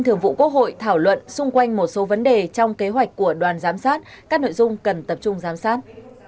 tại phiên thảo luận xung quanh một số vấn đề trong kế hoạch của đoàn giám sát các nội dung cần tập trung giám sát